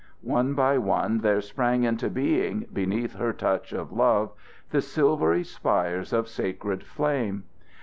One by one there sprang into being, beneath her touch of love, the silvery spires of sacred flame.